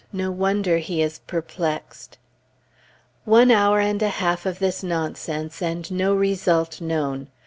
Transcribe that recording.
no wonder he is perplexed! One hour and a half of this nonsense, and no result known.